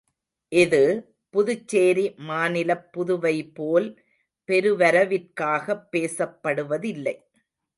இது, புதுச்சேரி மாநிலப் புதுவைபோல் பெருவரவிற்றாகப் பேசப்படுவதில்லை.